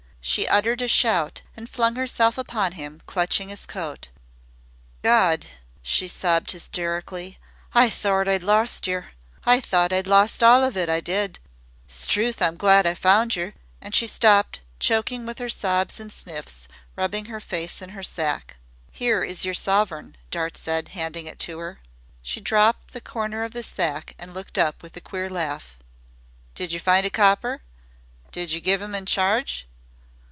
She uttered a shout and flung herself upon him, clutching his coat. "Gawd!" she sobbed hysterically, "I thort I'd lost yer! I thort I'd lost all of it, I did! Strewth! I 'm glad I've found yer " and she stopped, choking with her sobs and sniffs, rubbing her face in her sack. "Here is your sovereign," Dart said, handing it to her. She dropped the corner of the sack and looked up with a queer laugh. "Did yer find a copper? Did yer give him in charge?"